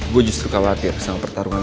gue justru khawatir sama pertarungan